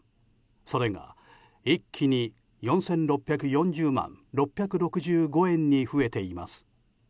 それが一気に４６４０万６６５円に増えています。